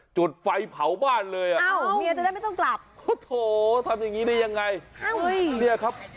จดไฟเผาบ้านเลยอ่ะโอ้โหทำอย่างนี้ได้ยังไงเนี่ยครับ